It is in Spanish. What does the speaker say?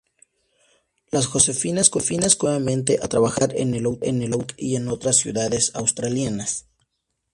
Las Josefinas comienzan nuevamente a trabajar en el Outback y en otras ciudades australianas.